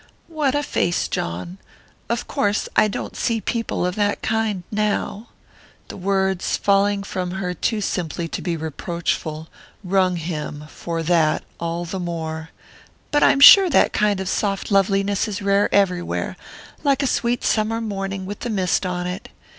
"What a face, John! Of course I don't often see people of that kind now " the words, falling from her too simply to be reproachful, wrung him, for that, all the more "but I'm sure that kind of soft loveliness is rare everywhere; like a sweet summer morning with the mist on it.